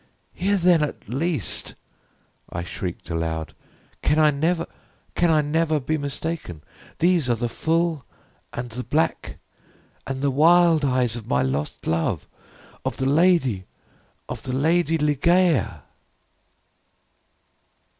"Here then, at least," I shrieked aloud, "can I never can I never be mistaken these are the full, and the black, and the wild eyes of my lost love of the Lady of the LADY LIGEIA."